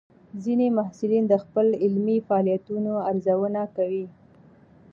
ځینې محصلین د خپل علمي فعالیتونو ارزونه کوي.